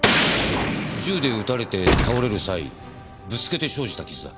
銃で撃たれて倒れる際ぶつけて生じた傷だ。